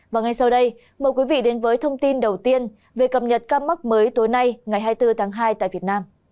và ngay sau đây mời quý vị đến với thông tin đầu tiên về cập nhật các mắc mới tối nay ngày hai mươi bốn tháng hai tại việt nam